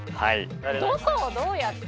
どこをどうやって？